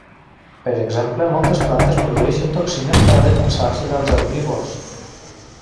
Per exemple moltes plantes produeixen toxines per a defensar-se dels herbívors.